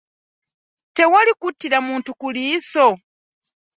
Tewali kuttira muntu ku liiso?